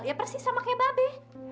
ya persis sama kayak babe